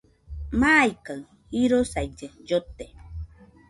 Maikaɨ jirosaille llote